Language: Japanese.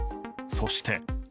そして。